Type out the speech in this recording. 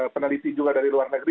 peneliti juga dari luar negeri